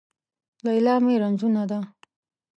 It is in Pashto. ليلا مې رنځونه ده